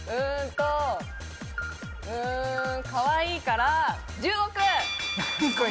かわいいから１０億！